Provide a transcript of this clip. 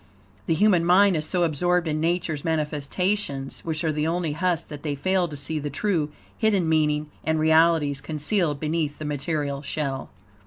The human mind is so absorbed in Nature's manifestations, which are only the husks, that they fail to see the true, hidden meaning and realities, concealed beneath the material shell.